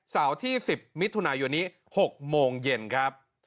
เสาร์ที่๑๐มิถุนายุณี๖โมงเย็นครับ